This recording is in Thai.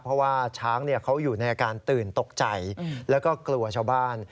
เพราะว่าช้างเขาอยู่ในอาการตื่นตกใจแล้วก็กลัวชาวบ้าน